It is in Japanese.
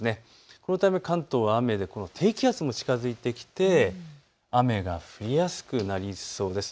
このため関東は雨で低気圧に近づいてきて雨が降りやすくなりそうです。